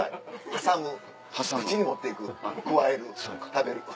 挟む口に持って行くくわえる食べる。